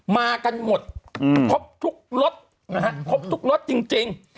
มากันหมดครบทุกลดครบทุกลดจริง